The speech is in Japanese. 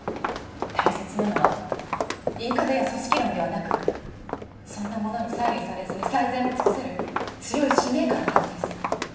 大切なのは言い方や組織論ではなくそんなものに左右されずに最善を尽くせる強い使命感のはずです。